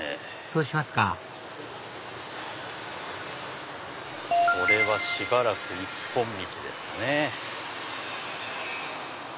そうしますかこれはしばらく一本道ですかね。